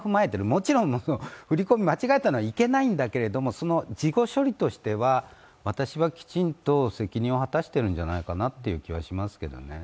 もちろん、振り込み間違えたのはいけないんだけども事後処理としては、私はきちんと責任を果たしているんじゃないかなという気はしますけどね。